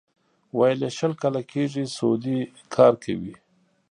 ویل یې شل کاله کېږي سعودي کار کوي.